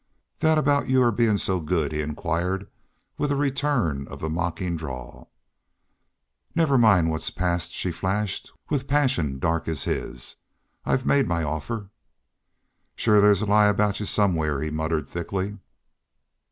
"That aboot your bein' so good?" he inquired, with a return of the mocking drawl. "Never mind what's past," she flashed, with passion dark as his. "I've made my offer." "Shore there's a lie aboot y'u somewhere," he muttered, thickly.